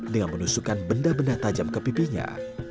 dengan menusukkan benda benda tajam ke pipinya